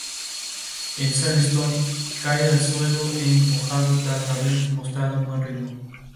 En Silverstone cae al suelo en mojado tras haber mostrado un buen ritmo.